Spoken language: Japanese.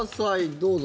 どうぞ。